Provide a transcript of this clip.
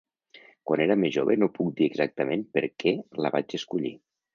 Quan era més jove no puc dir exactament per què la vaig escollir.